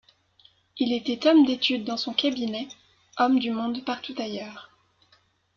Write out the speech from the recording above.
Il était homme d’étude dans son cabinet, homme du monde partout ailleurs.